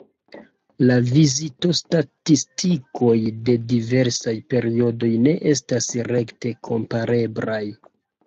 La vizitostatistikoj de diversaj periodoj ne estas rekte kompareblaj.